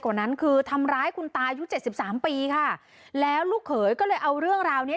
กว่านั้นคือทำร้ายคุณตายุเจ็ดสิบสามปีค่ะแล้วลูกเขยก็เลยเอาเรื่องราวเนี้ย